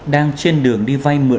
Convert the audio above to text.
đang trên đường đến với con người